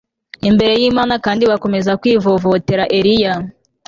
imbere yImana kandi bakomeza kwivovotera Eliya